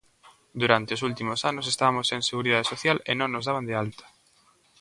Durante os últimos anos estabamos sen Seguridade Social e non nos daban de alta.